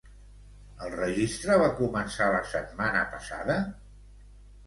El registre va començar la setmana passada?